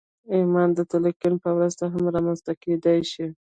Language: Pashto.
ایمان د تلقین په مرسته هم رامنځته کېدای شي